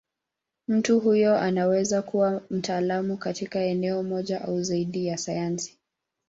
Mtu huyo anaweza kuwa mtaalamu katika eneo moja au zaidi ya sayansi.